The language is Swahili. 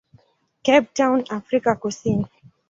Cape Town, Afrika Kusini.